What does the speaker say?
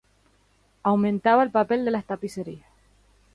Aumentaba el papel de las tapicerías.